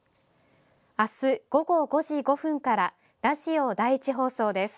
明日午後５時５分からラジオ第１放送です。